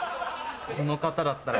この方だったら。